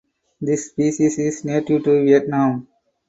This species is native to Vietnam.